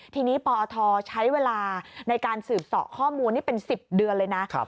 ทีนี้ปอทใช้เวลาในการสืบเสาะข้อมูลนี่เป็น๑๐เดือนเลยนะ